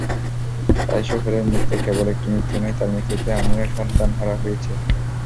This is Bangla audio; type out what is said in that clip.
তাই সোহেলের মৃত্যু কেবল একটি মৃত্যুই নয়, তাঁর মৃত্যুতে আমিও সন্তানহারা হয়েছি।